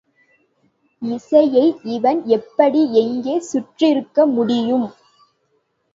இசையை இவன் எப்படி எங்கே சுற்றிருக்க முடியும்?